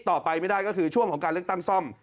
ต่อไปไม่ได้ก็คือช่วงของการเลือกตั้งซ่อม